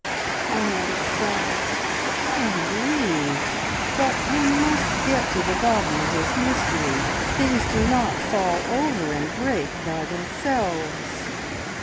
"I am sorry! I am grieved! But we must get to the bottom of this mystery. Things do not fall over and break by themselves.